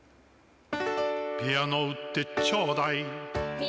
ピアノ売ってちょうだい。